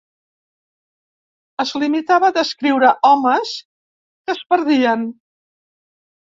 Es limitava a descriure homes que es perdien.